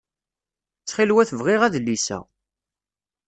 Ttxil-wet bɣiɣ adlis-a.